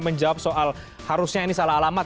menjawab soal harusnya ini salah alamat